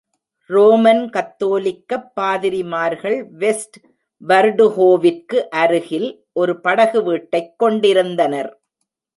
Roman கத்தோலிக்கப் பாதிரிமார்கள் westward ஹோ விற்கு அருகில் ஒரு படகு வீட்டைக் கொண்டிருந்தனர்.